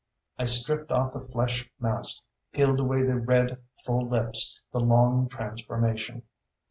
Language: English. I stripped off the flesh mask, peeled away the red, full lips, the long transformation.